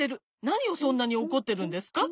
なにをそんなにおこってるんですか？